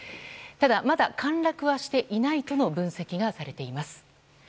ただ、まだ陥落はしていないとの分析がされています。